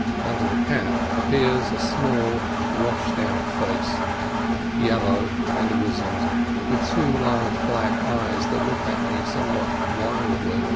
Under the cap appears a small, washed out face, yel low and weazened, with two large black eyes that look at me somewhat wildly.